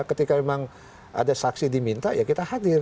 ketika memang ada saksi diminta ya kita hadir